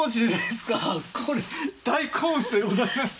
これ大好物でございまして。